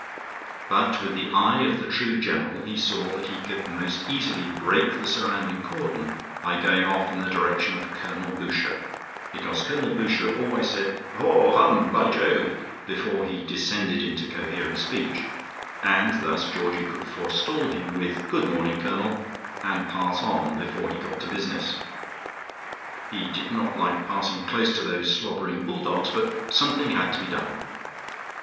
But with the eye of the true general, he saw that he could most easily break the surrounding cordon by going off in the direction of Colonel Boucher, because Colonel Boucher always said "Haw, hum, by Jove," before he descended into coherent speech, and thus Georgie could forestall him with "Good morning, Colonel," and pass on before he got to business. He did not like passing close to those slobbering bull dogs, but something had to be done